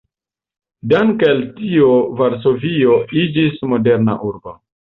Danke al tio Varsovio iĝis moderna urbo.